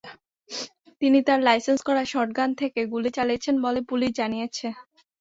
তিনি তাঁর লাইসেন্স করা শটগান থেকে গুলি চালিয়েছেন বলে পুলিশ জানিয়েছে।